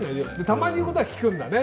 たまに言うことは聞くんだね。